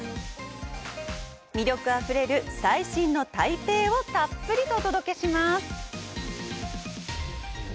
魅力あふれる最新の台北をたっぷりとお届けします！